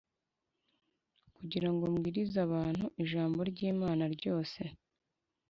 kugira ngo mbwirize abantu ijambo ry’Imana ryose